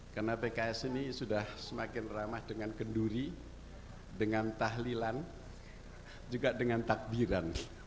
karena pks ini sudah semakin ramah dengan kenduri dengan tahlilan juga dengan takbiran